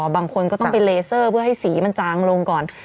บางคนก็ต้องไปเลเซอร์เพื่อให้สีมันจางลงก่อน